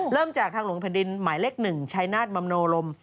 เริ่มจากทางหลวงแผ่นดินหมายเลข๑ชายนาฏบำโนรม